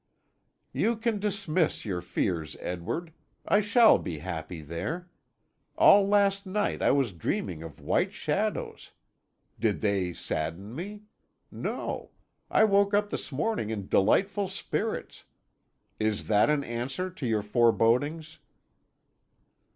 "You can dismiss your fears, Edward. I shall be happy there. All last night I was dreaming of white shadows. Did they sadden me? No. I woke up this morning in delightful spirits. Is that an answer to your forebodings?"